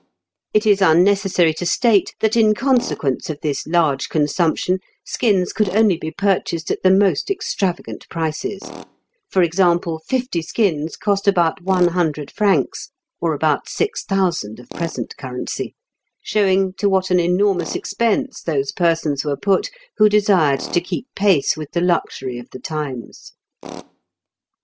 It is unnecessary to state, that in consequence of this large consumption, skins could only be purchased at the most extravagant prices; for example, fifty skins cost about one hundred francs (or about six thousand of present currency), showing to what an enormous expense those persons were put who desired to keep pace with the luxury of the times (Fig.